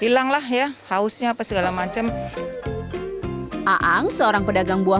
memiliki kekuatan untuk memiliki kekuatan untuk memiliki kekuatan untuk memiliki kekuatan untuk